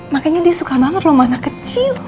makanya dia suka banget loh anak kecil